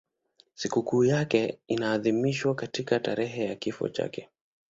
Sikukuu yake inaadhimishwa katika tarehe ya kifo chake.